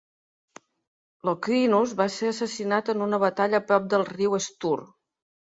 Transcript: Locrinus va ser assassinat en una batalla prop del riu Stour.